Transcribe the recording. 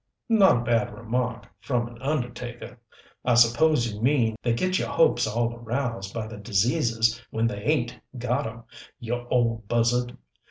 "Not a bad remark, from an undertaker. I suppose you mean they get your hopes all aroused by their diseases when they ain't got 'em, you old buzzard.